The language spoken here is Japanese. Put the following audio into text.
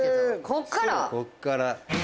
ここから。